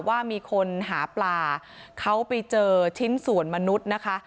ว่ามีคนหาปลาเขาไปเจอชิ้นส่วนมนุษย์นะคะ